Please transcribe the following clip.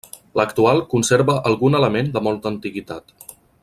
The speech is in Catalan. L'actual conserva algun element de molta antiguitat.